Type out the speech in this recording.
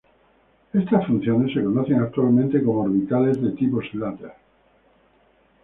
Estas funciones se conocen actualmente como orbitales de tipo Slater.